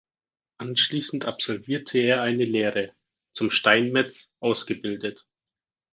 Anschließend absolvierte er eine Lehre zum Steinmetz ausgebildet.